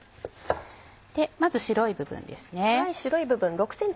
まず白い部分ですね。